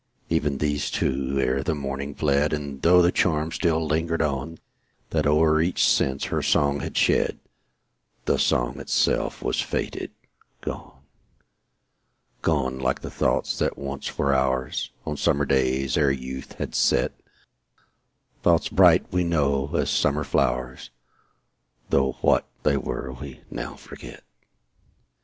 Even these, too, ere the morning, fled; And, tho' the charm still lingered on, That o'er each sense her song had shed, The song itself was faded, gone; Gone, like the thoughts that once were ours, On summer days, ere youth had set; Thoughts bright, we know, as summer flowers, Tho' what they were we now forget.